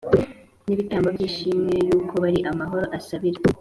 n ibitambo by ishimwe yuko bari amahoro asabira